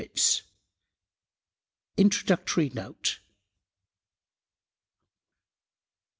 1890 INTRODUCTORY NOTE.